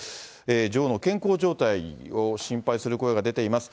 女王の健康状態を心配する声が出ています。